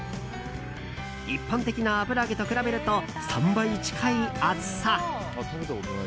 一般的な油揚げと比べると３倍近い厚さ。